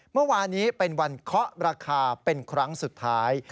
เมื่อวานี้เป็นวันเคาะราคาเป็นครั้งสุดท้าย